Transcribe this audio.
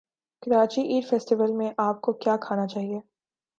Karachi eat festival میں اپ کو کیا کھانا چاہیے